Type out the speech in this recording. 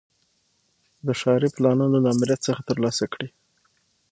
د ښاري پلانونو له آمریت څخه ترلاسه کړي.